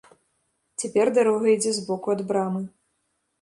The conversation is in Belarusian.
Цяпер дарога ідзе збоку ад брамы.